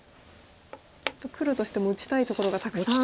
黒としても打ちたいところがたくさん。